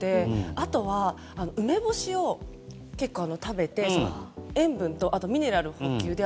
あとは梅干しを結構、食べて塩分とミネラルの補給で。